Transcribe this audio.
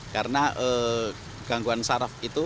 karena gangguan saraf itu